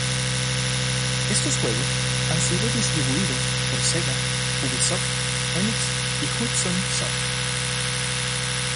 Estos juegos han sido distribuidos por Sega, Ubisoft, Enix y Hudson Soft.